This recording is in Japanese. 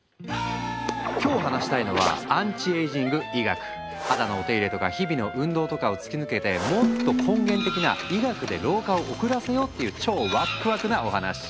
今日話したいのは肌のお手入れとか日々の運動とかを突き抜けてもっと根源的な医学で老化を遅らせようっていう超ワックワクなお話。